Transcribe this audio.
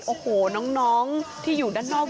โอ้โหน้องที่อยู่ด้านนอก